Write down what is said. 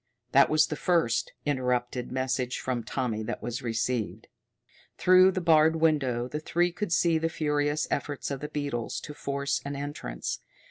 That was the first, interrupted message from Tommy that was received. Through the barred window the three could see the furious efforts of the beetles to force an entrance.